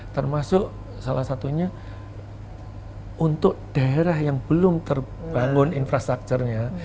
termasuk salah satunya untuk daerah yang belum terbangun infrastrukturnya